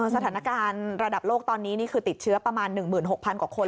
สถานการณ์ระดับโลกตอนนี้นี่คือติดเชื้อประมาณ๑๖๐๐กว่าคน